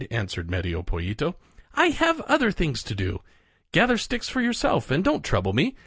answered Medio Pollito. "I have other things to do. Gather sticks for yourself and don't trouble me.